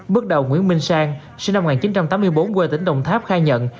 bước đầu nguyễn minh sang sinh năm một nghìn chín trăm tám mươi bốn quê tỉnh đồng tháp khai nhận